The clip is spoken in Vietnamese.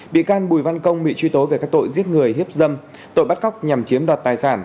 bị can bùi văn công bị truy tố về các tội giết người hiếp dâm tội bắt cóc nhằm chiếm đoạt tài sản